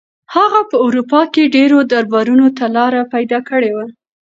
هغه په اروپا کې ډېرو دربارونو ته لاره پیدا کړې وه.